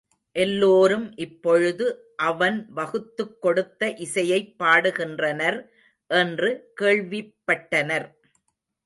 எல்லோரும் இப்பொழுது அவன் வகுத்துக் கொடுத்த இசையைப் பாடுகின்றனர் என்று கேள்விப் பட்டனர்.